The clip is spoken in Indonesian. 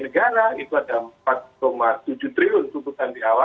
negara itu ada empat tujuh triliun tuntutan di awal